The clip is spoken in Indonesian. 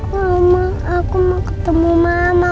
mama aku mau ketemu mama